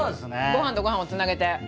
ご飯とご飯をつなげて。